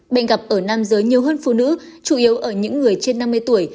bệnh gặp ở nam giới nhiều hơn phụ nữ chủ yếu ở những người trên năm mươi tuổi